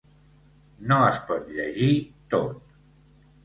No es pot llegir tot.